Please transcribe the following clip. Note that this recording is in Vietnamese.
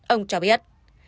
ông cho biết